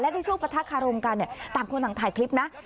ในช่วงประทะคารมกันต่างคนต่างถ่ายคลิปนะ